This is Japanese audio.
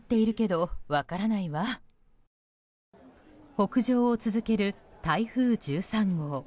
北上を続ける台風１３号。